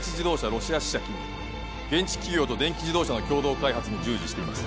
ロシア支社勤務現地企業と電気自動車の共同開発に従事しています